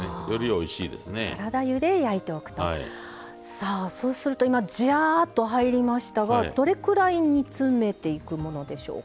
さあそうすると今ジャーっと入りましたがどれくらい煮詰めていくものでしょうか？